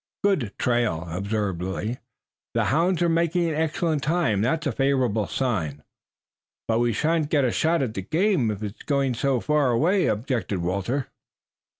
"Good trail," observed Lilly. "The hounds are making excellent time. That's a favorable sign." "But we shan't get a shot at the game if it is going so far away," objected Walter.